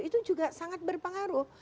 itu juga sangat berpengaruh